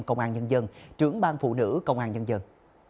công an nhân dân trưởng bang phụ nữ công an nhân dân